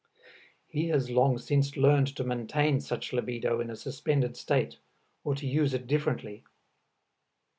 He has long since learned to maintain such libido in a suspended state or to use it differently.